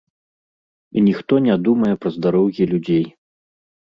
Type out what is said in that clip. І ніхто не думае пра здароўе людзей.